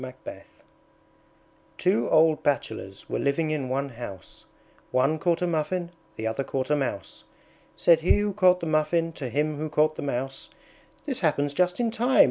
Two old Bachelors were living in one house; One caught a Muffin, the other caught a Mouse. Said he who caught the Muffin to him who caught the Mouse, "This happens just in time!